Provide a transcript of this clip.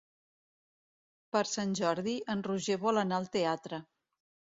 Per Sant Jordi en Roger vol anar al teatre.